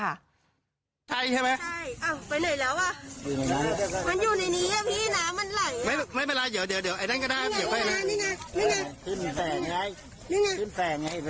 กระทะแม่กระทะนี้เรากำลังจะลูกมาใช้ค่ะ